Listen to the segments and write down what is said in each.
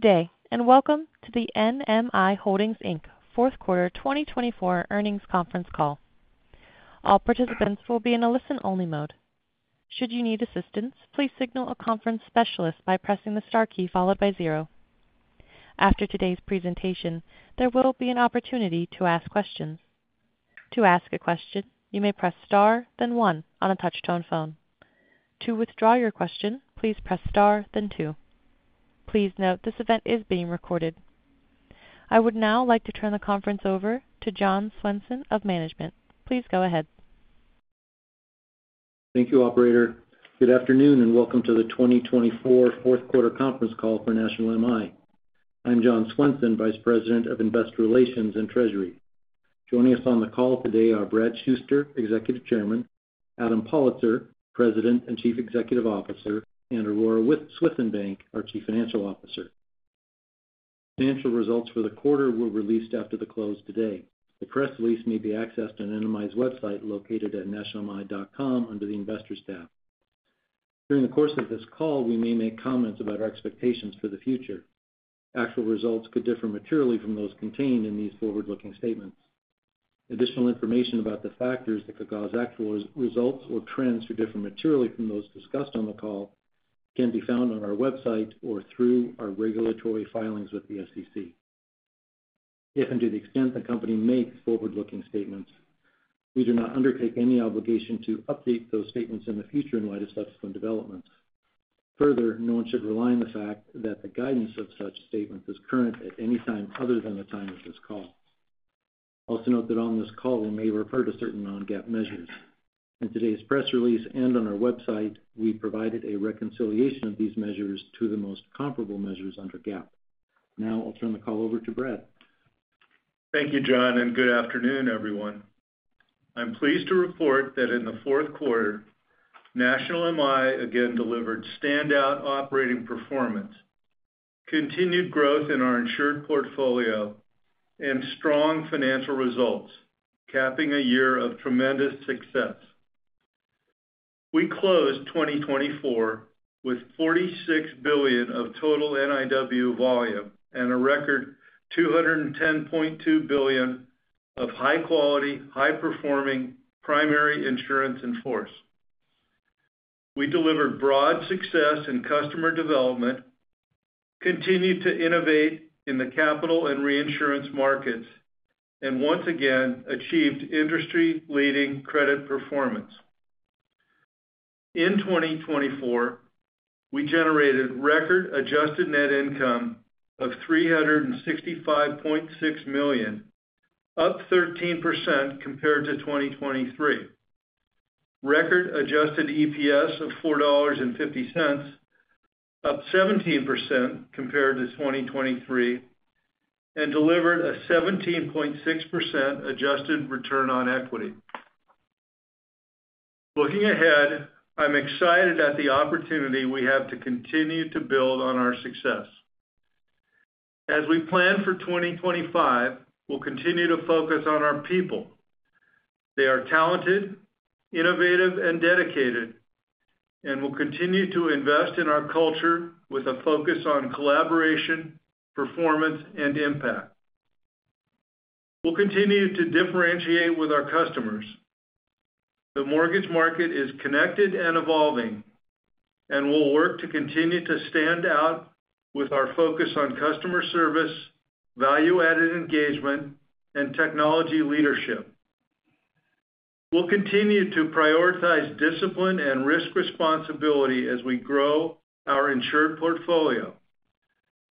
Good day, and welcome to the NMI Holdings Inc. Fourth Quarter 2024 Earnings Conference Call. All participants will be in a listen-only mode. Should you need assistance, please signal a conference specialist by pressing the star key followed by zero. After today's presentation, there will be an opportunity to ask questions. To ask a question, you may press star, then one, on a touch-tone phone. To withdraw your question, please press star, then two. Please note this event is being recorded. I would now like to turn the conference over to Jon Swenson of Management. Please go ahead. Thank you, Operator. Good afternoon, and welcome to the 2024 Fourth Quarter Conference Call for National MI. I'm Jon Swenson, Vice President of Investor Relations and Treasury. Joining us on the call today are Brad Shuster, Executive Chairman, Adam Pollitzer, President and Chief Executive Officer, and Aurora Swithenbank, our Chief Financial Officer. Financial results for the quarter were released after the close today. The press release may be accessed on NMI's website located at nationmi.com under the Investors tab. During the course of this call, we may make comments about our expectations for the future. Actual results could differ materially from those contained in these forward-looking statements. Additional information about the factors that could cause actual results or trends to differ materially from those discussed on the call can be found on our website or through our regulatory filings with the SEC. If and to the extent the company makes forward-looking statements, we do not undertake any obligation to update those statements in the future in light of subsequent developments. Further, no one should rely on the fact that the guidance of such statements is current at any time other than the time of this call. Also note that on this call, we may refer to certain non-GAAP measures. In today's press release and on our website, we provided a reconciliation of these measures to the most comparable measures under GAAP. Now I'll turn the call over to Brad. Thank you, Jon, and good afternoon, everyone. I'm pleased to report that in the fourth quarter, National MI again delivered standout operating performance, continued growth in our insured portfolio, and strong financial results, capping a year of tremendous success. We closed 2024 with $46 billion of total NIW volume and a record $210.2 billion of high-quality, high-performing primary insurance in force. We delivered broad success in customer development, continued to innovate in the capital and reinsurance markets, and once again achieved industry-leading credit performance. In 2024, we generated record adjusted net income of $365.6 million, up 13% compared to 2023. Record adjusted EPS of $4.50, up 17% compared to 2023. And delivered a 17.6% adjusted return on equity. Looking ahead, I'm excited at the opportunity we have to continue to build on our success. As we plan for 2025, we'll continue to focus on our people. They are talented, innovative, and dedicated, and we'll continue to invest in our culture with a focus on collaboration, performance, and impact. We'll continue to differentiate with our customers. The mortgage market is connected and evolving, and we'll work to continue to stand out with our focus on customer service, value-added engagement, and technology leadership. We'll continue to prioritize discipline and risk responsibility as we grow our insured portfolio,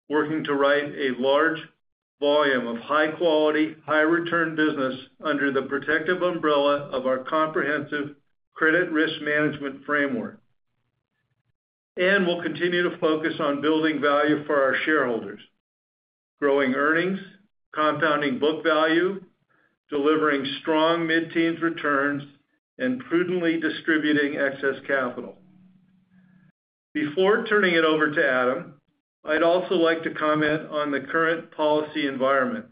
working to write a large volume of high-quality, high-return business under the protective umbrella of our comprehensive credit risk management framework. And we'll continue to focus on building value for our shareholders, growing earnings, compounding book value, delivering strong mid-teens returns, and prudently distributing excess capital. Before turning it over to Adam, I'd also like to comment on the current policy environment.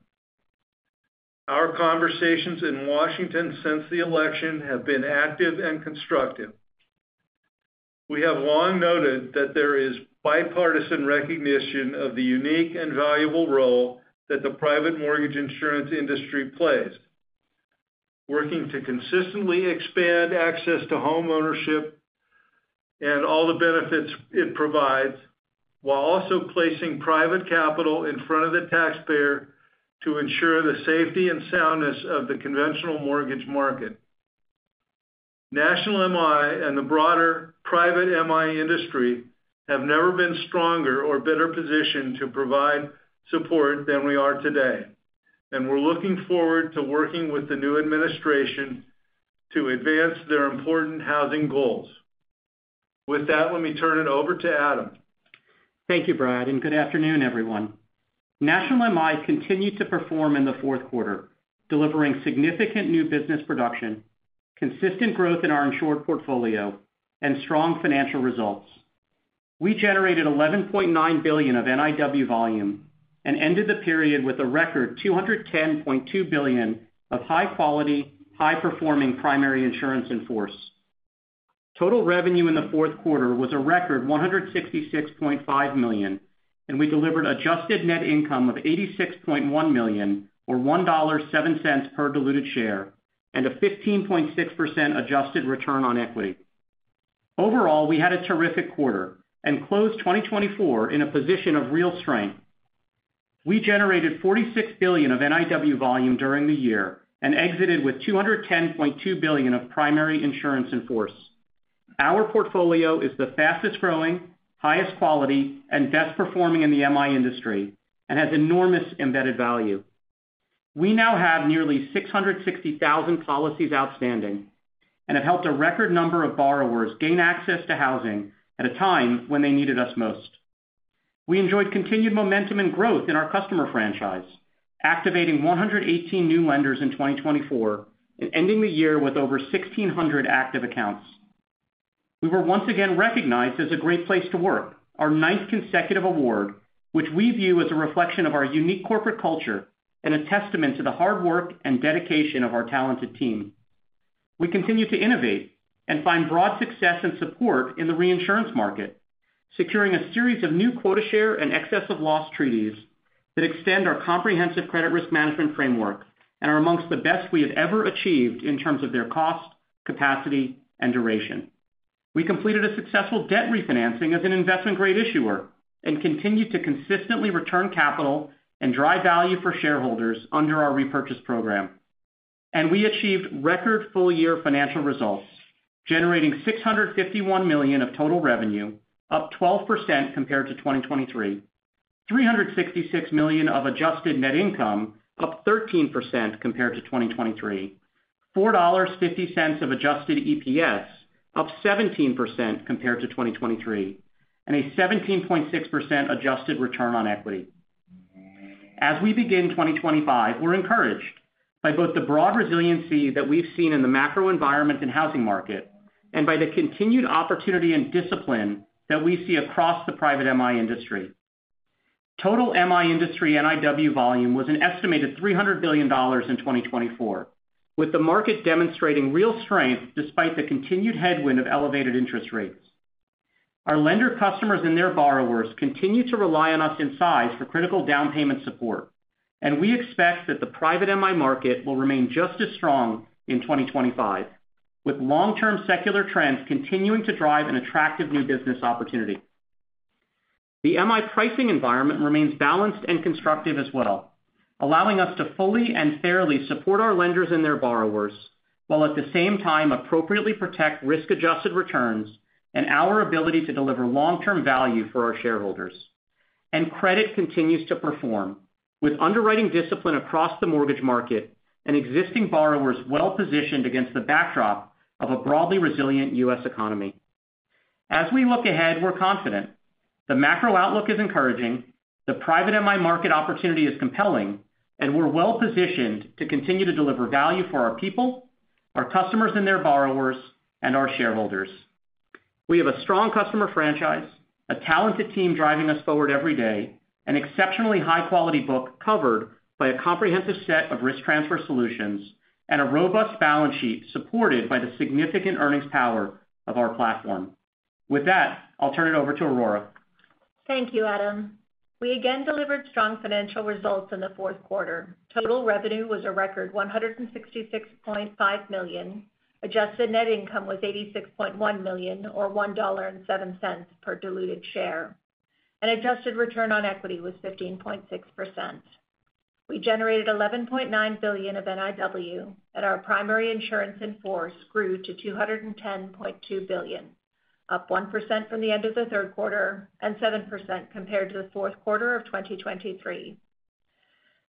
Our conversations in Washington since the election have been active and constructive. We have long noted that there is bipartisan recognition of the unique and valuable role that the private mortgage insurance industry plays, working to consistently expand access to homeownership and all the benefits it provides, while also placing private capital in front of the taxpayer to ensure the safety and soundness of the conventional mortgage market. National MI and the broader private MI industry have never been stronger or better positioned to provide support than we are today, and we're looking forward to working with the new administration to advance their important housing goals. With that, let me turn it over to Adam. Thank you, Brad, and good afternoon, everyone. National MI continued to perform in the fourth quarter, delivering significant new business production, consistent growth in our insured portfolio, and strong financial results. We generated $11.9 billion of NIW volume and ended the period with a record $210.2 billion of high-quality, high-performing primary insurance in force. Total revenue in the fourth quarter was a record $166.5 million, and we delivered adjusted net income of $86.1 million, or $1.07 per diluted share, and a 15.6% adjusted return on equity. Overall, we had a terrific quarter and closed 2024 in a position of real strength. We generated $46 billion of NIW volume during the year and exited with $210.2 billion of primary insurance in force. Our portfolio is the fastest growing, highest quality, and best performing in the MI industry and has enormous embedded value. We now have nearly 660,000 policies outstanding and have helped a record number of borrowers gain access to housing at a time when they needed us most. We enjoyed continued momentum and growth in our customer franchise, activating 118 new lenders in 2024 and ending the year with over 1,600 active accounts. We were once again recognized as a great place to work, our ninth consecutive award, which we view as a reflection of our unique corporate culture and a testament to the hard work and dedication of our talented team. We continue to innovate and find broad success and support in the reinsurance market, securing a series of new quota share and excess of loss treaties that extend our comprehensive credit risk management framework and are amongst the best we have ever achieved in terms of their cost, capacity, and duration. We completed a successful debt refinancing as an investment-grade issuer and continued to consistently return capital and drive value for shareholders under our repurchase program, and we achieved record full-year financial results, generating $651 million of total revenue, up 12% compared to 2023, $366 million of adjusted net income, up 13% compared to 2023, $4.50 of adjusted EPS, up 17% compared to 2023, and a 17.6% adjusted return on equity. As we begin 2025, we're encouraged by both the broad resiliency that we've seen in the macro environment and housing market and by the continued opportunity and discipline that we see across the private MI industry. Total MI industry NIW volume was an estimated $300 billion in 2024, with the market demonstrating real strength despite the continued headwind of elevated interest rates. Our lender customers and their borrowers continue to rely on us in size for critical down payment support, and we expect that the private MI market will remain just as strong in 2025, with long-term secular trends continuing to drive an attractive new business opportunity. The MI pricing environment remains balanced and constructive as well, allowing us to fully and fairly support our lenders and their borrowers while at the same time appropriately protect risk-adjusted returns and our ability to deliver long-term value for our shareholders. And credit continues to perform, with underwriting discipline across the mortgage market and existing borrowers well positioned against the backdrop of a broadly resilient U.S. economy. As we look ahead, we're confident. The macro outlook is encouraging, the private MI market opportunity is compelling, and we're well positioned to continue to deliver value for our people, our customers and their borrowers, and our shareholders. We have a strong customer franchise, a talented team driving us forward every day, an exceptionally high-quality book covered by a comprehensive set of risk transfer solutions, and a robust balance sheet supported by the significant earnings power of our platform. With that, I'll turn it over to Aurora. Thank you, Adam. We again delivered strong financial results in the fourth quarter. Total revenue was a record $166.5 million. Adjusted net income was $86.1 million, or $1.07 per diluted share, and adjusted return on equity was 15.6%. We generated $11.9 billion of NIW, and our primary insurance in force grew to $210.2 billion, up 1% from the end of the third quarter and 7% compared to the fourth quarter of 2023.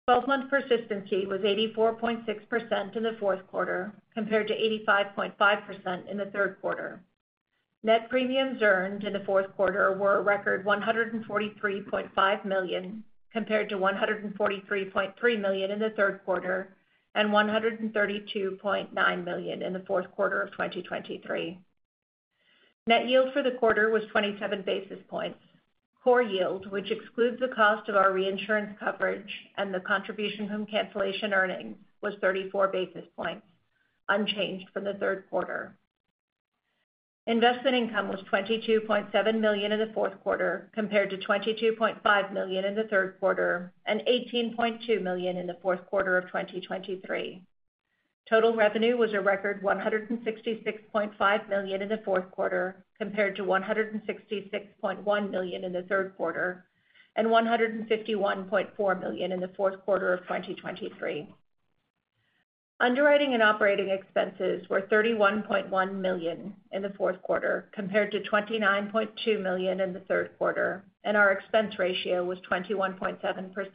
Twelve-month persistency was 84.6% in the fourth quarter compared to 85.5% in the third quarter. Net premiums earned in the fourth quarter were a record $143.5 million compared to $143.3 million in the third quarter and $132.9 million in the fourth quarter of 2023. Net yield for the quarter was 27 basis points. Core yield, which excludes the cost of our reinsurance coverage and the contribution from cancellation earnings, was 34 basis points, unchanged from the third quarter. Investment income was $22.7 million in the fourth quarter compared to $22.5 million in the third quarter and $18.2 million in the fourth quarter of 2023. Total revenue was a record $166.5 million in the fourth quarter compared to $166.1 million in the third quarter and $151.4 million in the fourth quarter of 2023. Underwriting and operating expenses were $31.1 million in the fourth quarter compared to $29.2 million in the third quarter, and our expense ratio was 21.7%.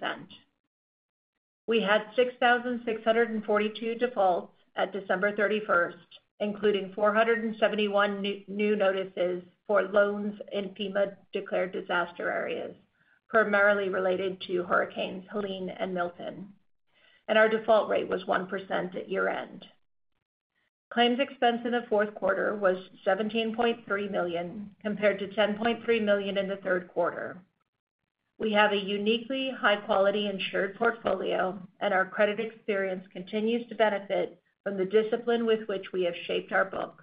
We had 6,642 defaults at December 31st, including 471 new notices for loans in FEMA declared disaster areas, primarily related to hurricanes Helene and Milton, and our default rate was 1% at year-end. Claims expense in the fourth quarter was $17.3 million compared to $10.3 million in the third quarter. We have a uniquely high-quality insured portfolio, and our credit experience continues to benefit from the discipline with which we have shaped our book,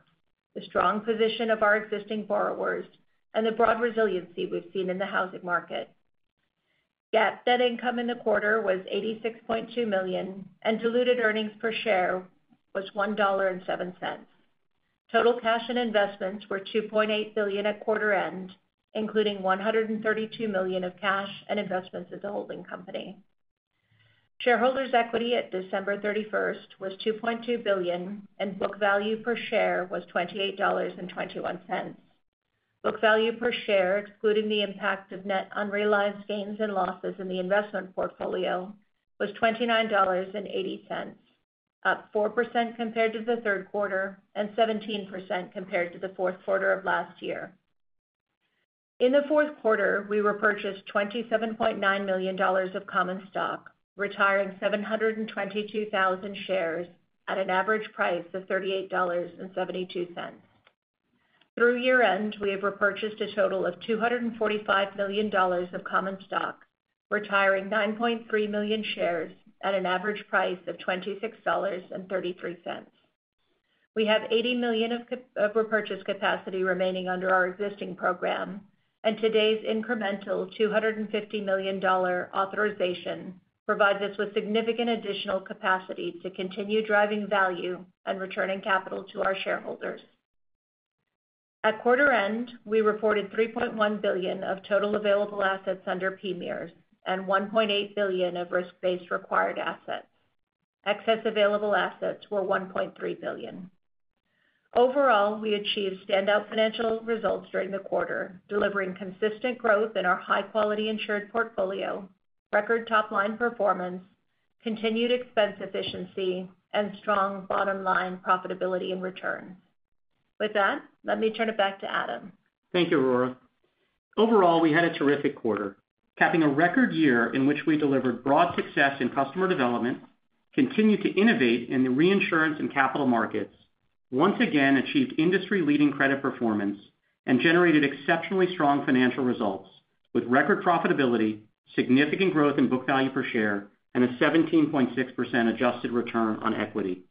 the strong position of our existing borrowers, and the broad resiliency we've seen in the housing market. GAAP net income in the quarter was $86.2 million, and diluted earnings per share was $1.07. Total cash and investments were $2.8 billion at quarter-end, including $132 million of cash and investments at the holding company. Shareholders' equity at December 31st was $2.2 billion, and book value per share was $28.21. Book value per share, excluding the impact of net unrealized gains and losses in the investment portfolio, was $29.80, up 4% compared to the third quarter and 17% compared to the fourth quarter of last year. In the fourth quarter, we repurchased $27.9 million of common stock, retiring 722,000 shares at an average price of $38.72. Through year-end, we have repurchased a total of $245 million of common stock, retiring 9.3 million shares at an average price of $26.33. We have 80 million of repurchase capacity remaining under our existing program, and today's incremental $250 million authorization provides us with significant additional capacity to continue driving value and returning capital to our shareholders. At quarter-end, we reported 3.1 billion of total available assets under PMIERs and 1.8 billion of risk-based required assets. Excess available assets were 1.3 billion. Overall, we achieved standout financial results during the quarter, delivering consistent growth in our high-quality insured portfolio, record top-line performance, continued expense efficiency, and strong bottom-line profitability and returns. With that, let me turn it back to Adam. Thank you, Aurora. Overall, we had a terrific quarter, capping a record year in which we delivered broad success in customer development, continued to innovate in the reinsurance and capital markets, once again achieved industry-leading credit performance, and generated exceptionally strong financial results with record profitability, significant growth in book value per share, and a 17.6% adjusted return on equity.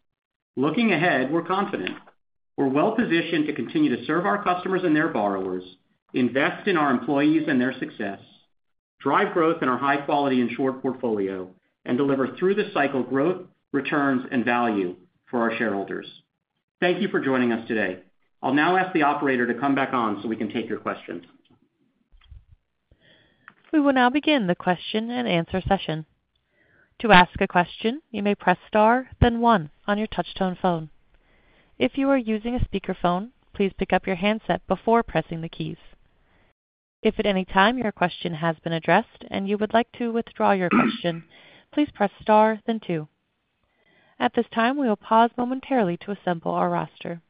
Looking ahead, we're confident. We're well positioned to continue to serve our customers and their borrowers, invest in our employees and their success, drive growth in our high-quality insured portfolio, and deliver through the cycle growth, returns, and value for our shareholders. Thank you for joining us today. I'll now ask the operator to come back on so we can take your questions. We will now begin the question and answer session. To ask a question, you may press star, then one on your touch-tone phone. If you are using a speakerphone, please pick up your handset before pressing the keys. If at any time your question has been addressed and you would like to withdraw your question, please press star, then two. At this time, we will pause momentarily to assemble our roster.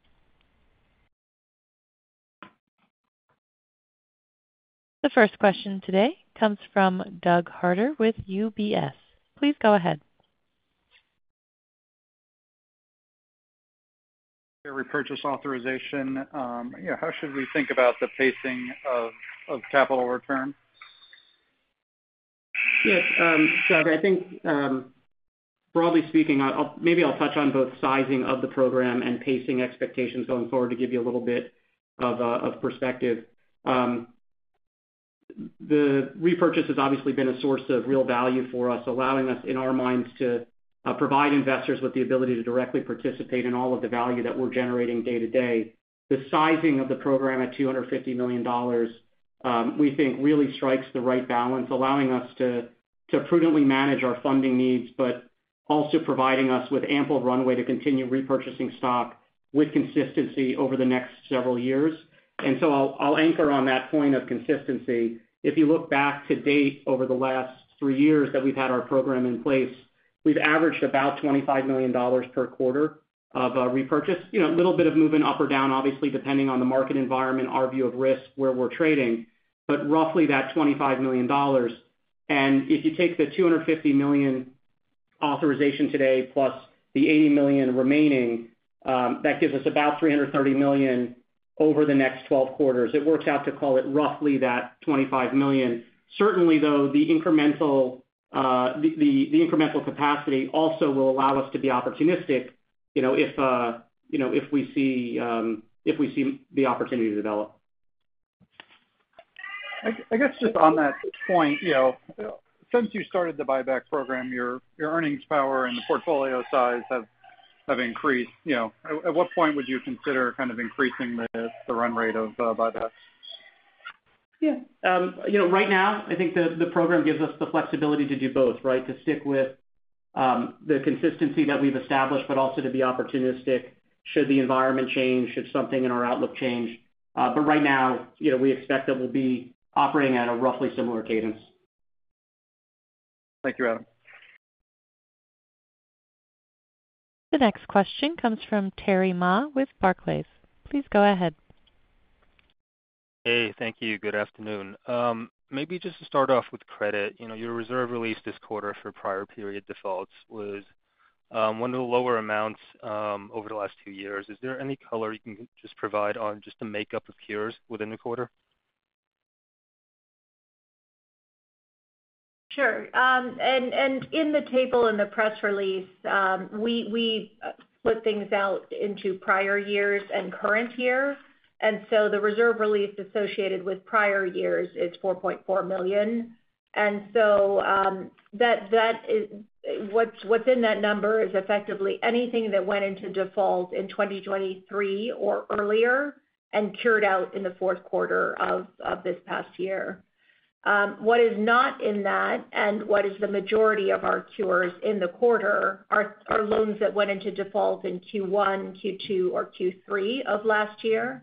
The first question today comes from Doug Harter with UBS. Please go ahead. Repurchase authorization, how should we think about the pacing of capital return? Yes, Doug. I think, broadly speaking, maybe I'll touch on both sizing of the program and pacing expectations going forward to give you a little bit of perspective. The repurchase has obviously been a source of real value for us, allowing us, in our minds, to provide investors with the ability to directly participate in all of the value that we're generating day-to-day. The sizing of the program at $250 million, we think, really strikes the right balance, allowing us to prudently manage our funding needs, but also providing us with ample runway to continue repurchasing stock with consistency over the next several years. And so I'll anchor on that point of consistency. If you look back, to date, over the last three years that we've had our program in place, we've averaged about $25 million per quarter of repurchase. A little bit of moving up or down, obviously, depending on the market environment, our view of risk, where we're trading, but roughly that $25 million, and if you take the $250 million authorization today plus the $80 million remaining, that gives us about $330 million over the next 12 quarters. It works out to call it roughly that $25 million. Certainly, though, the incremental capacity also will allow us to be opportunistic if we see the opportunity develop. I guess just on that point, since you started the buyback program, your earnings power and the portfolio size have increased. At what point would you consider kind of increasing the run rate of buyback? Yeah. Right now, I think the program gives us the flexibility to do both, right, to stick with the consistency that we've established, but also to be opportunistic should the environment change, should something in our outlook change. But right now, we expect that we'll be operating at a roughly similar cadence. Thank you, Adam. The next question comes from Terry Ma with Barclays. Please go ahead. Hey, thank you. Good afternoon. Maybe just to start off with credit, your reserve release this quarter for prior period defaults was one of the lower amounts over the last two years. Is there any color you can just provide on just the makeup of cures within the quarter? Sure. And in the table in the press release, we split things out into prior years and current year. And so the reserve release associated with prior years is $4.4 million. And so what's in that number is effectively anything that went into default in 2023 or earlier and cured out in the fourth quarter of this past year. What is not in that and what is the majority of our cures in the quarter are loans that went into default in Q1, Q2, or Q3 of last year.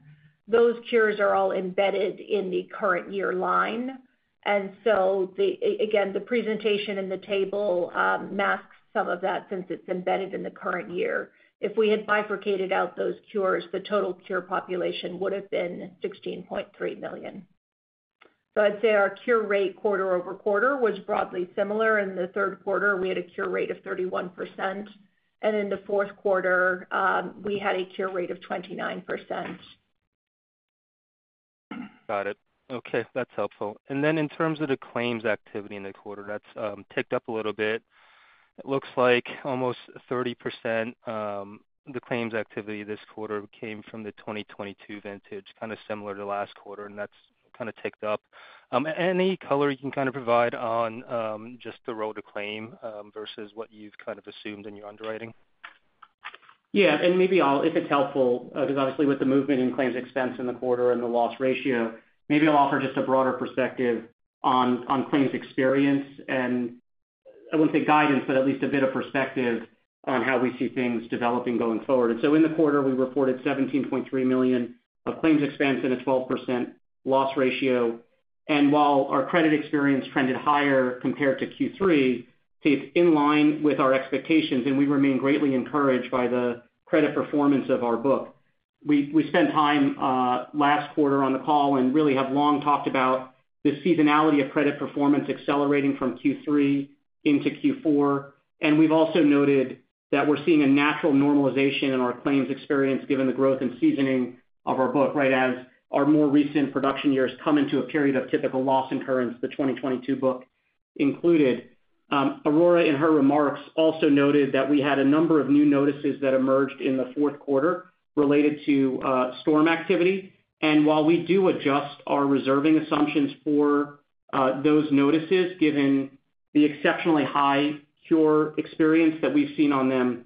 Those cures are all embedded in the current year line. And so, again, the presentation in the table masks some of that since it's embedded in the current year. If we had bifurcated out those cures, the total cure population would have been $16.3 million. So I'd say our cure rate quarter over quarter was broadly similar. In the third quarter, we had a cure rate of 31%. And in the fourth quarter, we had a cure rate of 29%. Got it. Okay. That's helpful. And then in terms of the claims activity in the quarter, that's ticked up a little bit. It looks like almost 30% of the claims activity this quarter came from the 2022 vintage, kind of similar to last quarter, and that's kind of ticked up. Any color you can kind of provide on just the loan to claim versus what you've kind of assumed in your underwriting? Yeah. And maybe if it's helpful, because obviously with the movement in claims expense in the quarter and the loss ratio, maybe I'll offer just a broader perspective on claims experience and, I wouldn't say guidance, but at least a bit of perspective on how we see things developing going forward. And so in the quarter, we reported $17.3 million of claims expense and a 12% loss ratio. And while our credit experience trended higher compared to Q3, it's in line with our expectations, and we remain greatly encouraged by the credit performance of our book. We spent time last quarter on the call and really have long talked about the seasonality of credit performance accelerating from Q3 into Q4. We've also noted that we're seeing a natural normalization in our claims experience given the growth and seasoning of our book, right, as our more recent production years come into a period of typical loss incurrence, the 2022 book included. Aurora in her remarks also noted that we had a number of new notices that emerged in the fourth quarter related to storm activity. While we do adjust our reserving assumptions for those notices, given the exceptionally high cure experience that we've seen on them,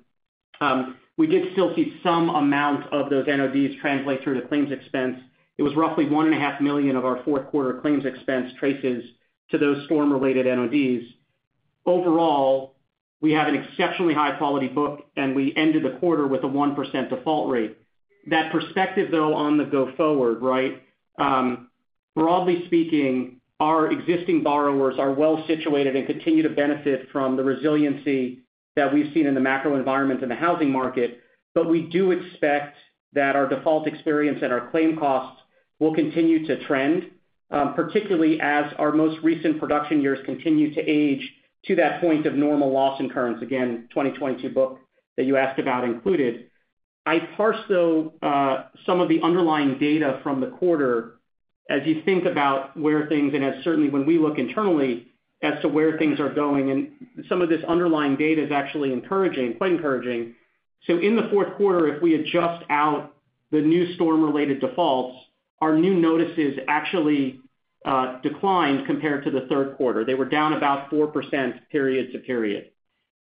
we did still see some amount of those NODs translate through to claims expense. It was roughly $1.5 million of our fourth quarter claims expense traces to those storm-related NODs. Overall, we have an exceptionally high-quality book, and we ended the quarter with a 1% default rate. That perspective, though, on the go forward, right, broadly speaking, our existing borrowers are well situated and continue to benefit from the resiliency that we've seen in the macro environment and the housing market. But we do expect that our default experience and our claim costs will continue to trend, particularly as our most recent production years continue to age to that point of normal loss incurrence. Again, 2022 book that you asked about included. I parsed, though, some of the underlying data from the quarter as you think about where things and as certainly when we look internally as to where things are going. And some of this underlying data is actually encouraging, quite encouraging. So in the fourth quarter, if we adjust out the new storm-related defaults, our new notices actually declined compared to the third quarter. They were down about 4% period to period.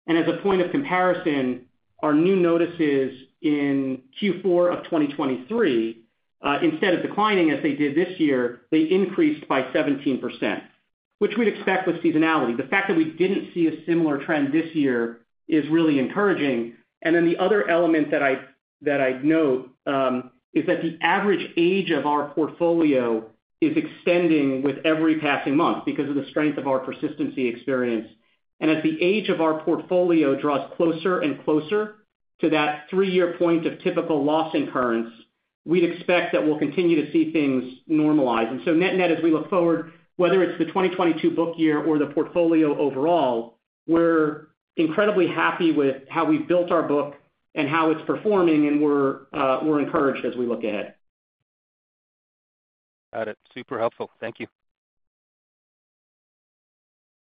As a point of comparison, our new notices in Q4 of 2023, instead of declining as they did this year, they increased by 17%, which we'd expect with seasonality. The fact that we didn't see a similar trend this year is really encouraging. Then the other element that I'd note is that the average age of our portfolio is extending with every passing month because of the strength of our persistency experience. As the age of our portfolio draws closer and closer to that three-year point of typical loss incurrence, we'd expect that we'll continue to see things normalize. Net-net, as we look forward, whether it's the 2022 book year or the portfolio overall, we're incredibly happy with how we've built our book and how it's performing, and we're encouraged as we look ahead. Got it. Super helpful. Thank you.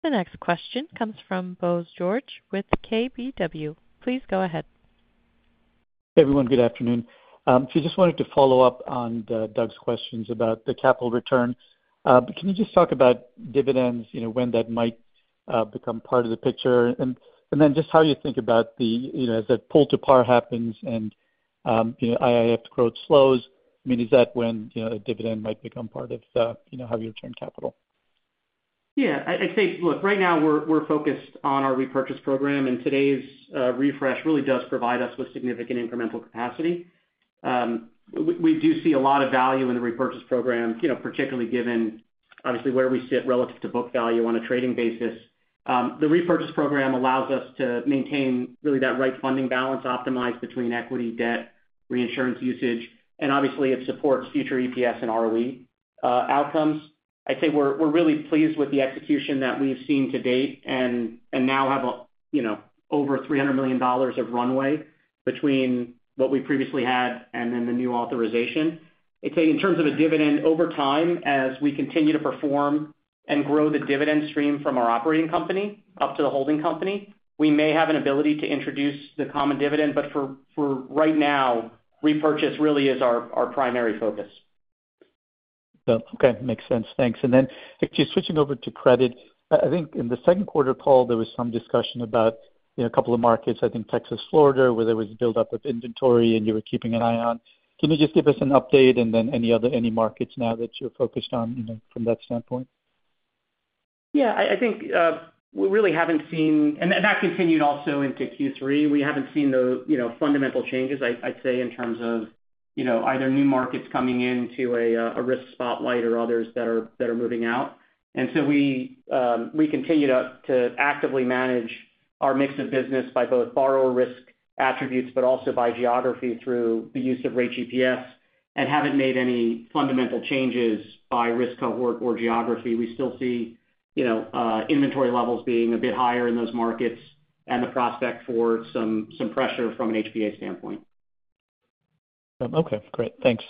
The next question comes from Bose George with KBW. Please go ahead. Hey, everyone. Good afternoon. So I just wanted to follow up on Doug's questions about the capital return. Can you just talk about dividends, when that might become part of the picture, and then just how you think about the assets that pull-to-par happens and IIF growth slows? I mean, is that when a dividend might become part of how you return capital? Yeah. I'd say, look, right now, we're focused on our repurchase program, and today's refresh really does provide us with significant incremental capacity. We do see a lot of value in the repurchase program, particularly given, obviously, where we sit relative to book value on a trading basis. The repurchase program allows us to maintain really that right funding balance optimized between equity, debt, reinsurance usage, and obviously, it supports future EPS and ROE outcomes. I'd say we're really pleased with the execution that we've seen to date and now have over $300 million of runway between what we previously had and then the new authorization. I'd say in terms of a dividend over time, as we continue to perform and grow the dividend stream from our operating company up to the holding company, we may have an ability to introduce the common dividend, but for right now, repurchase really is our primary focus. Okay. Makes sense. Thanks. And then actually switching over to credit, I think in the second quarter, Paul, there was some discussion about a couple of markets, I think Texas, Florida, where there was a buildup of inventory and you were keeping an eye on. Can you just give us an update and then any markets now that you're focused on from that standpoint? Yeah. I think we really haven't seen and that continued also into Q3. We haven't seen the fundamental changes, I'd say, in terms of either new markets coming into a risk spotlight or others that are moving out. And so we continue to actively manage our mix of business by both borrower risk attributes, but also by geography through the use of Rate GPS and haven't made any fundamental changes by risk cohort or geography. We still see inventory levels being a bit higher in those markets and the prospect for some pressure from an HPA standpoint. Okay. Great. Thanks.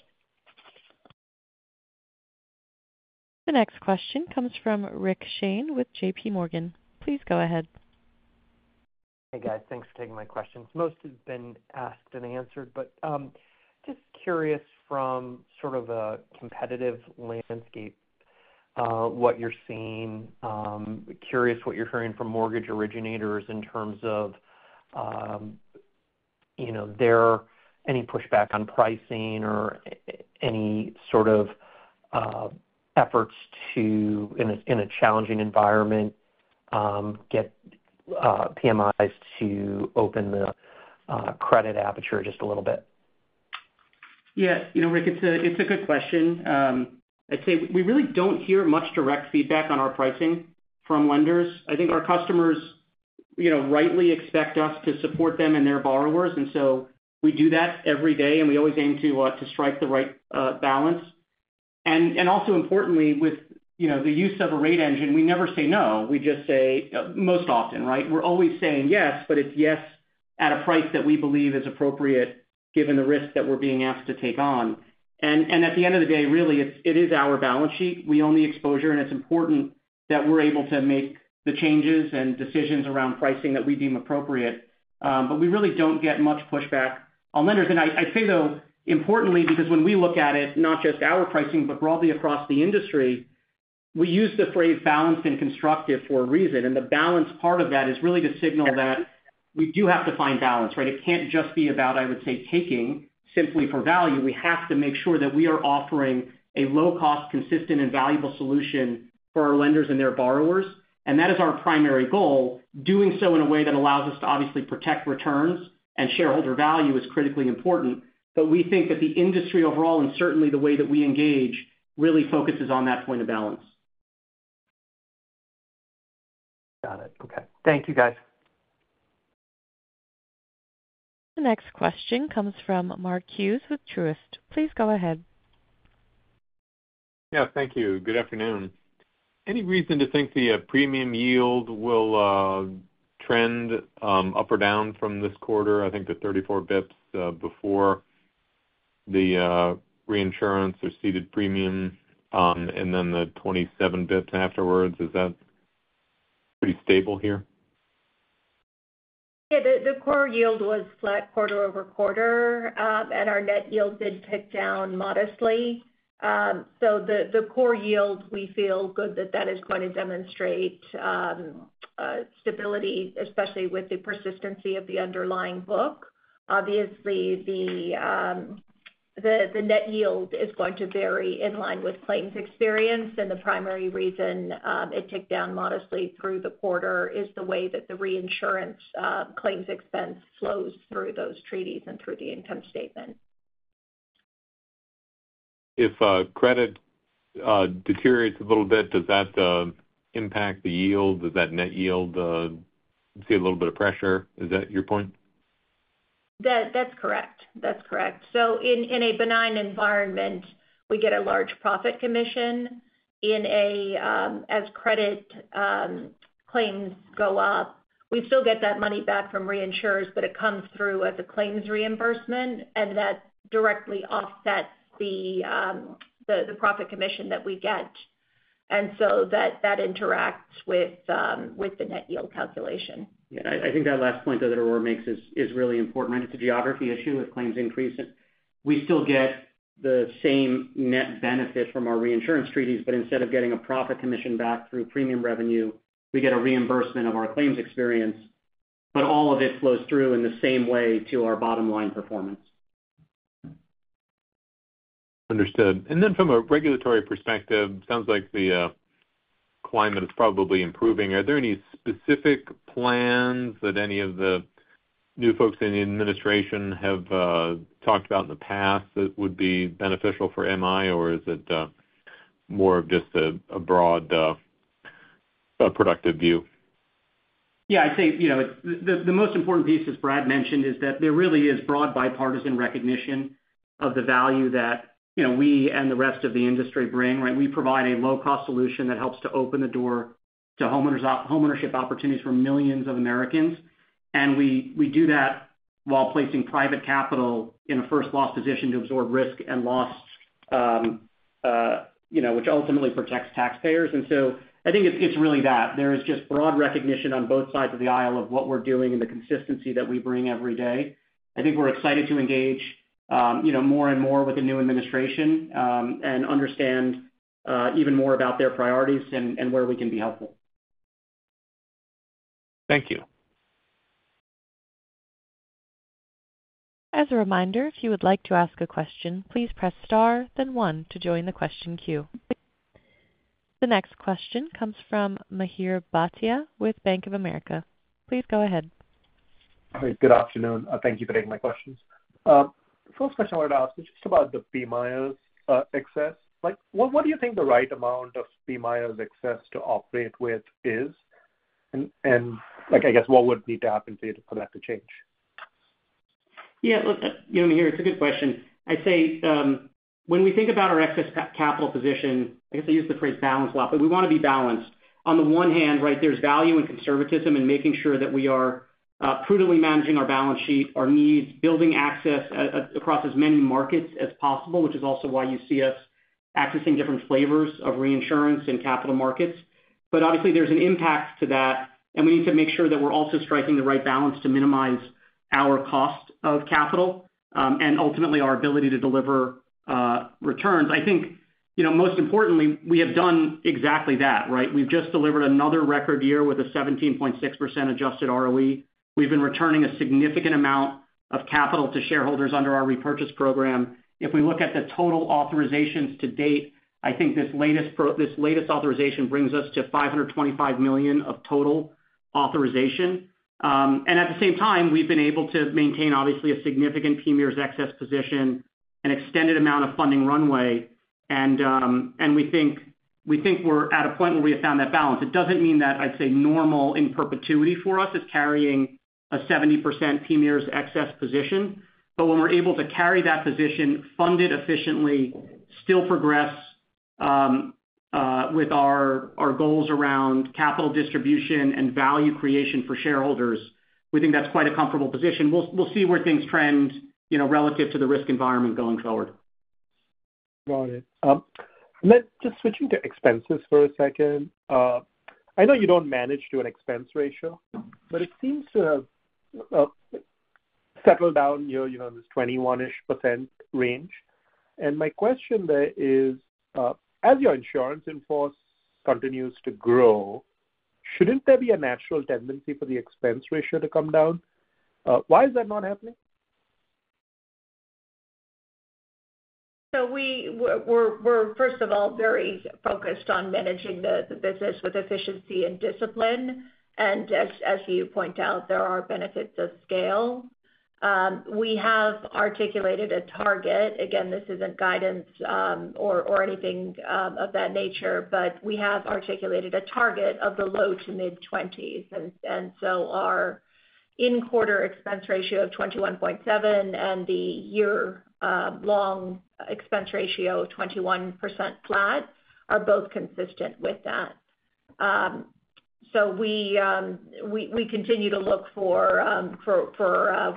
The next question comes from Rick Shane with J.P. Morgan. Please go ahead. Hey, guys. Thanks for taking my questions. Most have been asked and answered, but just curious from sort of a competitive landscape what you're seeing, curious what you're hearing from mortgage originators in terms of their any pushback on pricing or any sort of efforts to, in a challenging environment, get PMIs to open the credit aperture just a little bit? Yeah. Rick, it's a good question. I'd say we really don't hear much direct feedback on our pricing from lenders. I think our customers rightly expect us to support them and their borrowers. And so we do that every day, and we always aim to strike the right balance. And also, importantly, with the use of a rate engine, we never say no. We just say most often, right? We're always saying yes, but it's yes at a price that we believe is appropriate given the risk that we're being asked to take on. And at the end of the day, really, it is our balance sheet. We own the exposure, and it's important that we're able to make the changes and decisions around pricing that we deem appropriate. But we really don't get much pushback on lenders. And I'd say, though, importantly, because when we look at it, not just our pricing, but broadly across the industry, we use the phrase balanced and constructive for a reason. And the balanced part of that is really to signal that we do have to find balance, right? It can't just be about, I would say, taking simply for value. We have to make sure that we are offering a low-cost, consistent, and valuable solution for our lenders and their borrowers. And that is our primary goal. Doing so in a way that allows us to obviously protect returns and shareholder value is critically important. But we think that the industry overall and certainly the way that we engage really focuses on that point of balance. Got it. Okay. Thank you, guys. The next question comes from Mark Hughes with Truist. Please go ahead. Yeah. Thank you. Good afternoon. Any reason to think the premium yield will trend up or down from this quarter? I think the 34 basis points before the reinsurance or ceded premium and then the 27 basis points afterwards. Is that pretty stable here? Yeah. The core yield was flat quarter over quarter, and our net yield did tick down modestly. So the core yield, we feel good that that is going to demonstrate stability, especially with the persistency of the underlying book. Obviously, the net yield is going to vary in line with claims experience. And the primary reason it ticked down modestly through the quarter is the way that the reinsurance claims expense flows through those treaties and through the income statement. If credit deteriorates a little bit, does that impact the yield? Does that net yield see a little bit of pressure? Is that your point? That's correct. That's correct. So in a benign environment, we get a large profit commission. As credit claims go up, we still get that money back from reinsurers, but it comes through as a claims reimbursement, and that directly offsets the profit commission that we get. And so that interacts with the net yield calculation. Yeah. I think that last point that Aurora makes is really important, right? It's a geography issue. If claims increase, we still get the same net benefit from our reinsurance treaties. But instead of getting a profit commission back through premium revenue, we get a reimbursement of our claims experience, but all of it flows through in the same way to our bottom-line performance. Understood. And then from a regulatory perspective, it sounds like the climate is probably improving. Are there any specific plans that any of the new folks in the administration have talked about in the past that would be beneficial for MI, or is it more of just a broad positive view? Yeah. I'd say the most important piece, as Brad mentioned, is that there really is broad bipartisan recognition of the value that we and the rest of the industry bring, right? We provide a low-cost solution that helps to open the door to homeownership opportunities for millions of Americans. And we do that while placing private capital in a first-loss position to absorb risk and loss, which ultimately protects taxpayers. And so I think it's really that. There is just broad recognition on both sides of the aisle of what we're doing and the consistency that we bring every day. I think we're excited to engage more and more with the new administration and understand even more about their priorities and where we can be helpful. Thank you. As a reminder, if you would like to ask a question, please press star, then one to join the question queue. The next question comes from Mihir Bhatia with Bank of America. Please go ahead. All right. Good afternoon. Thank you for taking my questions. First question I wanted to ask is just about the PMIERs excess. What do you think the right amount of PMIERs excess to operate with is? And I guess what would need to happen for that to change? Yeah. Look, Mahir, it's a good question. I'd say when we think about our excess capital position, I guess I use the phrase balance a lot, but we want to be balanced. On the one hand, right, there's value and conservatism in making sure that we are prudently managing our balance sheet, our needs, building access across as many markets as possible, which is also why you see us accessing different flavors of reinsurance and capital markets. But obviously, there's an impact to that, and we need to make sure that we're also striking the right balance to minimize our cost of capital and ultimately our ability to deliver returns. I think most importantly, we have done exactly that, right? We've just delivered another record year with a 17.6% adjusted ROE. We've been returning a significant amount of capital to shareholders under our repurchase program. If we look at the total authorizations to date, I think this latest authorization brings us to $525 million of total authorization. And at the same time, we've been able to maintain, obviously, a significant PMIERs excess position, an extended amount of funding runway. And we think we're at a point where we have found that balance. It doesn't mean that I'd say normal in perpetuity for us is carrying a 70% PMIERs excess position. But when we're able to carry that position, fund it efficiently, still progress with our goals around capital distribution and value creation for shareholders, we think that's quite a comfortable position. We'll see where things trend relative to the risk environment going forward. Got it. And then just switching to expenses for a second. I know you don't manage to an expense ratio, but it seems to have settled down here in this 21-ish% range. And my question there is, as your insurance in force continues to grow, shouldn't there be a natural tendency for the expense ratio to come down? Why is that not happening? We're, first of all, very focused on managing the business with efficiency and discipline. As you point out, there are benefits of scale. We have articulated a target. Again, this isn't guidance or anything of that nature, but we have articulated a target of the low to mid-20s. Our in-quarter expense ratio of 21.7% and the year-long expense ratio of 21% flat are both consistent with that. We continue to look for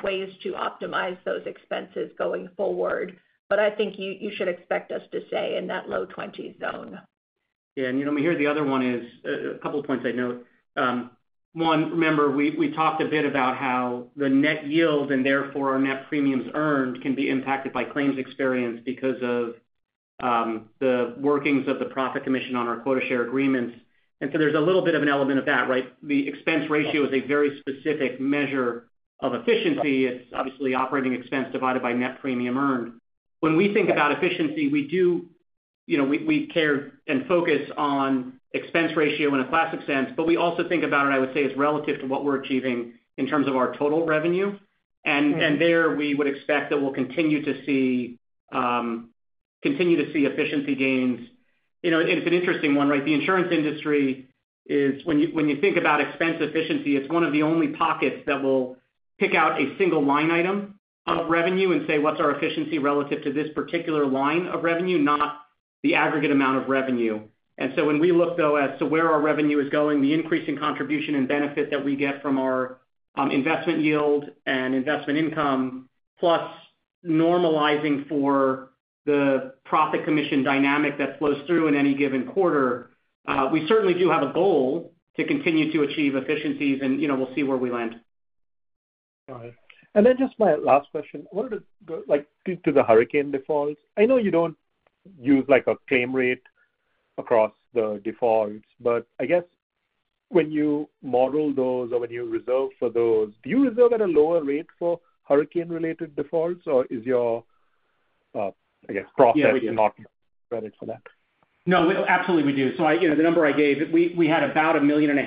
ways to optimize those expenses going forward, but I think you should expect us to stay in that low 20s zone. Yeah. And Mahir, the other one is a couple of points I'd note. One, remember we talked a bit about how the net yield and therefore our net premiums earned can be impacted by claims experience because of the workings of the profit commission on our quota share agreements. And so there's a little bit of an element of that, right? The expense ratio is a very specific measure of efficiency. It's obviously operating expense divided by net premium earned. When we think about efficiency, we do care and focus on expense ratio in a classic sense, but we also think about it, I would say, as relative to what we're achieving in terms of our total revenue. And there we would expect that we'll continue to see efficiency gains. And it's an interesting one, right? The insurance industry is when you think about expense efficiency, it's one of the only pockets that will pick out a single line item of revenue and say, "What's our efficiency relative to this particular line of revenue, not the aggregate amount of revenue?" And so when we look, though, as to where our revenue is going, the increase in contribution and benefit that we get from our investment yield and investment income plus normalizing for the profit commission dynamic that flows through in any given quarter, we certainly do have a goal to continue to achieve efficiencies, and we'll see where we land. Got it. And then just my last question. To the hurricane defaults, I know you don't use a claim rate across the defaults, but I guess when you model those or when you reserve for those, do you reserve at a lower rate for hurricane-related defaults, or is your, I guess, process not ready for that? No. Absolutely, we do. So the number I gave, we had about $1.5 million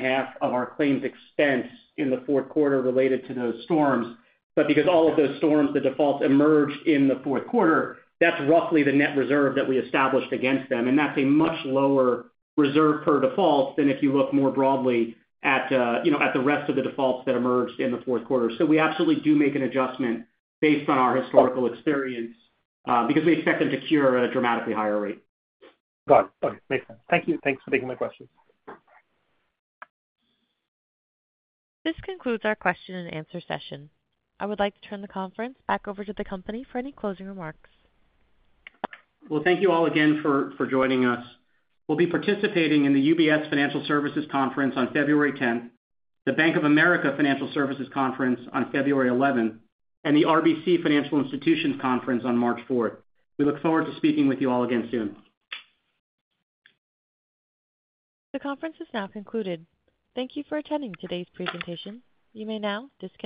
of our claims expense in the fourth quarter related to those storms. But because all of those storms, the defaults emerged in the fourth quarter, that's roughly the net reserve that we established against them. And that's a much lower reserve per default than if you look more broadly at the rest of the defaults that emerged in the fourth quarter. So we absolutely do make an adjustment based on our historical experience because we expect them to cure at a dramatically higher rate. Got it. Okay. Makes sense. Thank you. Thanks for taking my questions. This concludes our question and answer session. I would like to turn the conference back over to the company for any closing remarks. Thank you all again for joining us. We'll be participating in the UBS Financial Services Conference on February 10th, the Bank of America Financial Services Conference on February 11th, and the RBC Financial Institutions Conference on March 4th. We look forward to speaking with you all again soon. The conference has now concluded. Thank you for attending today's presentation. You may now disconnect.